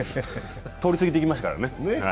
通り過ぎていきましたからね。